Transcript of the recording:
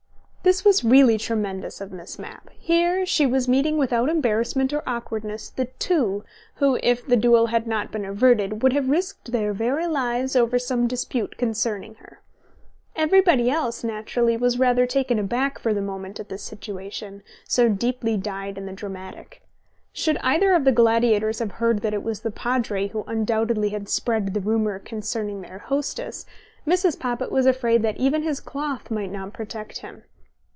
This was really tremendous of Miss Mapp. Here was she meeting without embarrassment or awkwardness the two, who if the duel had not been averted, would have risked their very lives over some dispute concerning her. Everybody else, naturally, was rather taken aback for the moment at this situation, so deeply dyed in the dramatic. Should either of the gladiators have heard that it was the Padre who undoubtedly had spread the rumour concerning their hostess, Mrs. Poppit was afraid that even his cloth might not protect him.